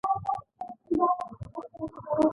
سبزیجات ولې مهم دي؟